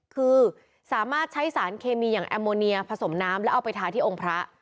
คือสามารถใช้สารเคมีอย่างแอมโมเนียผสมน้ำแล้วเอาไปทาที่องค์พระ